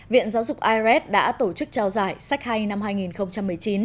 viện giáo dục irs đã tổ chức trao giải sách hay năm hai nghìn một mươi chín